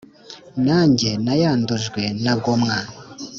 nange nayandujwe na gomwa